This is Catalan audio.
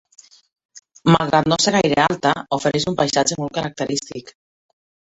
Malgrat no ser gaire alta, ofereix un paisatge molt característic.